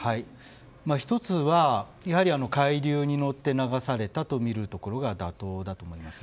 １つは、海流に乗って流されたとみるところが妥当だと思います。